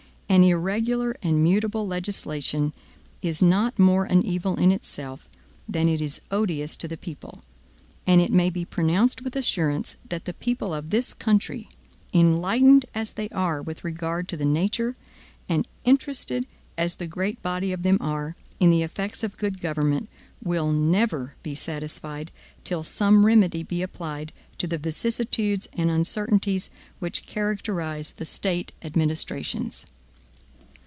An irregular and mutable legislation is not more an evil in itself than it is odious to the people; and it may be pronounced with assurance that the people of this country, enlightened as they are with regard to the nature, and interested, as the great body of them are, in the effects of good government, will never be satisfied till some remedy be applied to the vicissitudes and uncertainties which characterize the State administrations.